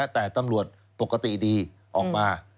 แต่ตำรวจปกติดีออกมา